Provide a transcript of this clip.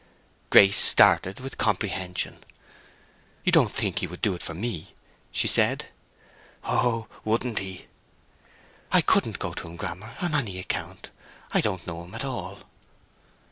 Grace started with comprehension. "You don't think he would do it for me?" she said. "Oh, wouldn't he!" "I couldn't go to him, Grammer, on any account. I don't know him at all."